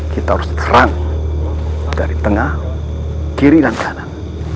kita harus terang dari tengah kiri dan kanan